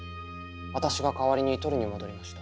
私が代わりに取りに戻りました。